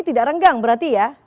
tidak renggang berarti ya